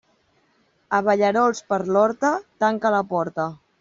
Abellerols per l'horta, tanca la porta.